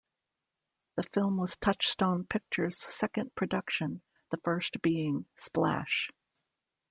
The film was Touchstone Pictures' second production, the first being "Splash".